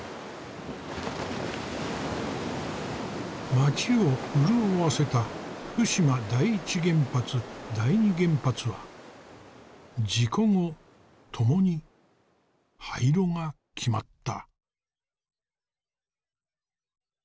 町を潤わせた福島第一原発第二原発は事故後共に廃炉が決まった。